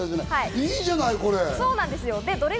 いいじゃない、これ！